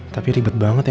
tapi ribet banget ya